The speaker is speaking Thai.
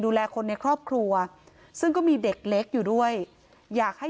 ดูแลคนในครอบครัวซึ่งก็มีเด็กเล็กอยู่ด้วยอยากให้